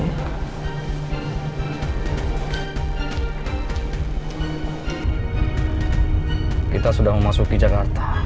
kita sudah mau masuk ke jakarta